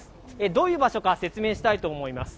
どういう場所か説明したいと思います。